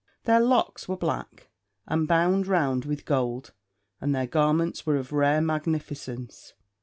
Their locks were black, and bound round with gold, and their garments were of rare magnificence.